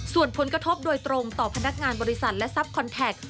ส่วนผลกระทบโดยตรงต่อพนักงานบริษัทและทรัพย์คอนแท็ก